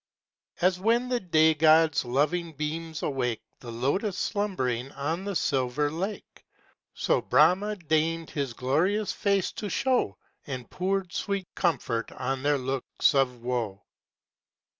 As when the Day God's loving beams awake The lotus slumbering on the silver lake, So BRAHMÁ deigned his glorious face to show, And poured sweet comfort on their looks of woe.